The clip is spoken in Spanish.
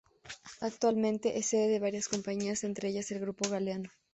Actualmente es sede de varias compañías, entre ellas el Grupo Galeno.